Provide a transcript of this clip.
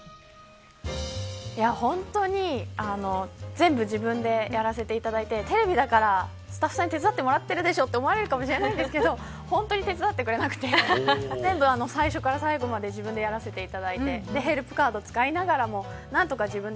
本当に全部、自分でやらせていただいてテレビだからスタッフさんに手伝ってもらってるでしょうと思われるかもしれませんが本当に手伝ってもらえなくて最初から最後まで自分でやらせていただいてヘルプ